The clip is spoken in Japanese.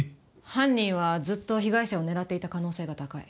犯人はずっと被害者を狙っていた可能性が高い。